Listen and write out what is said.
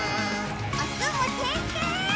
おつむてんてん！